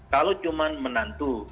kalau cuma menantu